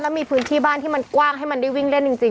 แล้วมีพื้นที่บ้านที่มันกว้างให้มันได้วิ่งเล่นจริง